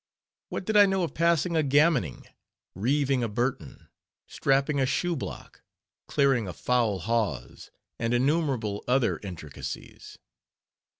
_ What did I know of "passing a gammoning," "reiving a Burton," "strapping a shoe block," "clearing a foul hawse," and innumerable other intricacies?